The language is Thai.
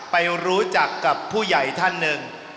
ไปรู้จักกับผู้ใหญ่ท่านหนึ่ง